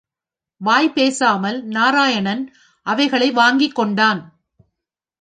வாய் பேசாமல், நாராயணன் அவைகளை வாங்கிக் கொண்டான்.